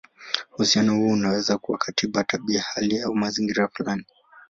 Uhusiano huo unaweza kuwa katika tabia, hali, au mazingira fulani.